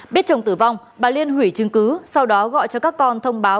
biết chồng tử vong bà liên hủy chứng cứ sau đó gọi cho các con thông báo